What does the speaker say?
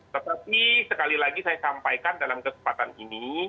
tetapi sekali lagi saya sampaikan dalam kesempatan ini